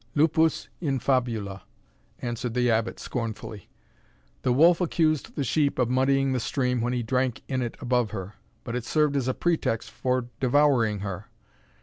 "Lupus in fabula," answered the Abbot, scornfully. "The wolf accused the sheep of muddying the stream when he drank in it above her but it served as a pretext for devouring her.